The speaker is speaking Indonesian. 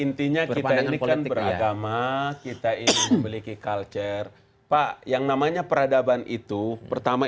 intinya kita ini kan beragama kita ini memiliki culture pak yang namanya peradaban itu pertama